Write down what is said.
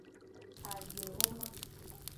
Agbexoma.